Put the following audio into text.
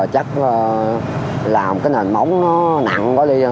chắc làm cái nền móng nó nặng quá đi